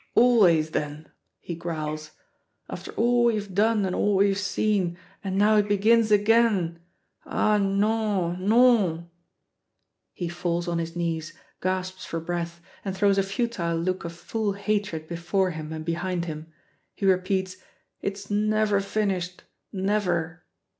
Always, then!" he growls; "after all we've done and all we've seen and now it begins again! Ah, non, non!" He falls on his knees, gasps for breath, and throws a futile look of full hatred before him and behind him. He repeats, "It's never finished, never!"